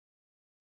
あ！